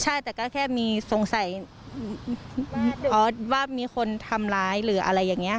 ใช่แต่ก็แค่มีสงสัยออสว่ามีคนทำร้ายหรืออะไรอย่างนี้